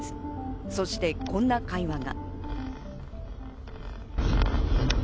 そしてこんな会話が。